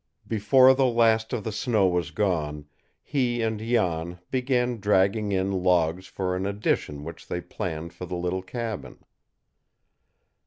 Before the last of the snow was gone, he and Jan began dragging in logs for an addition which they planned for the little cabin.